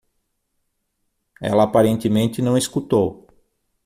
Ela aparentemente não escutou.